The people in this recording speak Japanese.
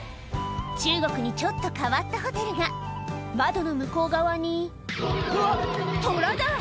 中国にちょっと変わったホテルが窓の向こう側にうわトラだ！